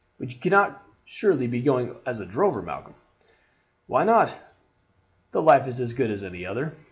"But you cannot surely be going as a drover, Malcolm!" "Why not? The life is as good as any other.